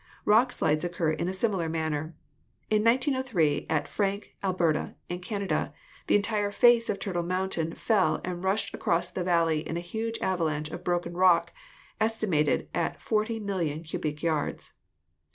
Rock slides occur in a similar manner. In 1903 at Frank, Al berta, in Canada, the entire face of Turtle Mountain fell and rushed across the valley in a huge avalanche of broken rock, estimated at 40,000,000 cubic yards.